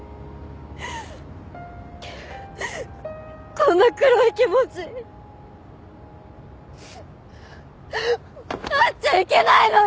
こんな黒い気持ちあっちゃいけないのに！